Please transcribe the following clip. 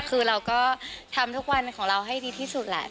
คือเราก็ทำทุกวันของเราให้ดีที่สุดแหละ